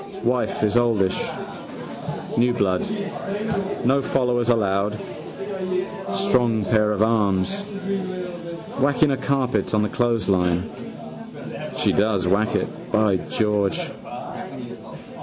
Wife is oldish. New blood. No followers allowed. Strong pair of arms. Whacking a carpet on the clothesline. She does whack it, by George.